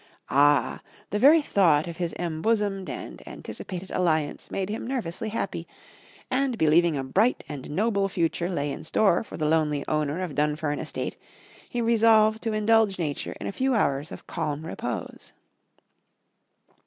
Ah! the very thought of his embosomed and anticipated alliance made him nervously happy; and believing a bright and noble future lay in store for the lonely owner of Dunfern Estate, he resolved to indulge nature in a few hours of calm repose.